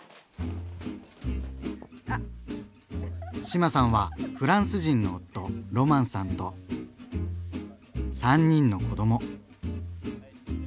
志麻さんはフランス人の夫ロマンさんと３人の子ども。